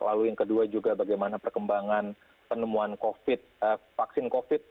lalu yang kedua juga bagaimana perkembangan penemuan covid vaksin covid